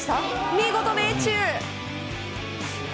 見事、命中！